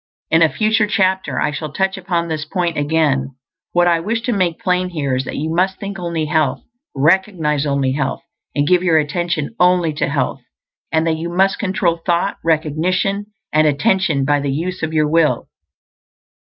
In a future chapter I shall touch upon this point again; what I wish to make plain here is that you must think only health, recognize only health, and give your attention only to health; and that you must control thought, recognition, and attention by the use of your will.